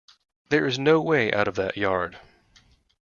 There is no way out of that yard.